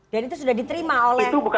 dan itu sudah diterima oleh para tersangka